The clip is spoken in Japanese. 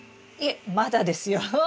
いえまだですよ。